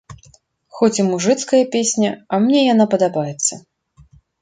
Хоць і мужыцкая песня, а мне яна падабаецца.